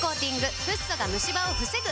フッ素がムシ歯を防ぐ！